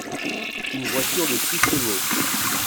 Une voiture de six chevaux.